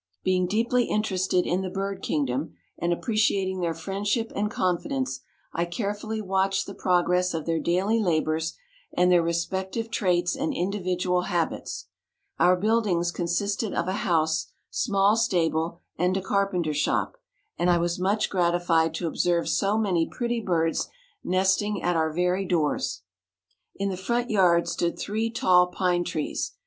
Being deeply interested in the bird kingdom, and appreciating their friendship and confidence, I carefully watched the progress of their daily labors and their respective traits and individual habits. Our buildings consisted of a house, small stable and a carpenter shop, and I was much gratified to observe so many pretty birds nesting at our very doors. In the front yard stood three tall pine trees.